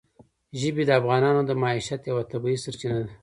ژبې د افغانانو د معیشت یوه طبیعي سرچینه ده.